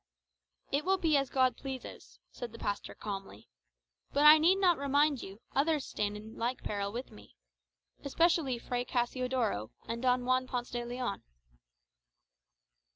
"It will be as God pleases," said the pastor calmly. "But I need not remind you, others stand in like peril with me. Especially Fray Cassiodoro, and Don Juan Ponce de Leon."